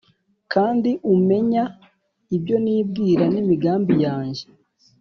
Kandi umenya ibyo nibwira n’imigambi yanjye